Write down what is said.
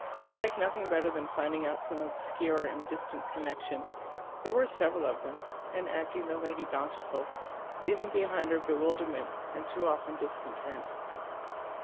She liked nothing better than finding out some obscure and distant connection there were several of them and acting the lady bountiful, leaving behind her bewilderment, and too often discontent.